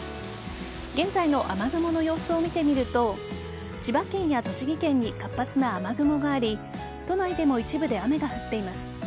現在の雨雲の様子を見てみると千葉県や栃木県に活発な雨雲があり都内でも一部で雨が降っています。